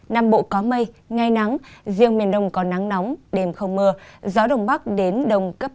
nam bộ có mây ngày nắng riêng miền đông có nắng nóng đêm không mưa gió đông bắc đến đông cấp bốn